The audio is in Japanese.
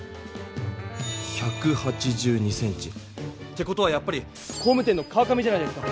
１８２ｃｍって事はやっぱり工務店の川上じゃないですか？